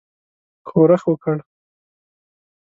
ښورښ وکړ.